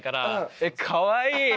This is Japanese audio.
えっかわいい！